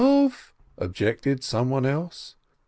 objected some one else.